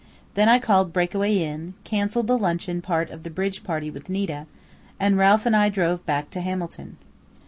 Then I called Breakaway Inn, cancelled the luncheon part of the bridge party with Nita, and Ralph and I drove back to Hamilton."